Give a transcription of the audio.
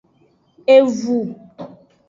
Evu.